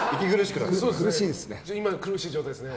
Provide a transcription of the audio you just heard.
今、苦しい状態ですね。